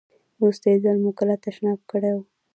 وروستی ځل مو کله تشناب کړی و؟